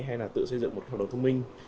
hay là tự xây dựng một hợp đồng thông minh